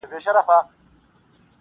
له بدانو سره ښه په دې معنا ده,